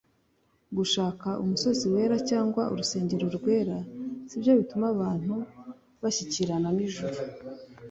Gushaka umusozi wera cyangwa urusengero rwera sibyo bituma abantu bashyikirana n’Ijuru